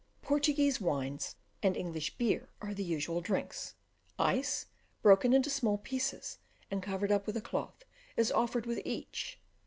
Portuguese wines and English beer are the usual drinks ice, broken into small pieces, and covered up with a cloth, is offered with each.